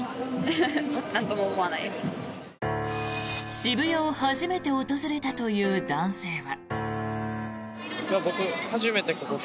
渋谷を初めて訪れたという男性は。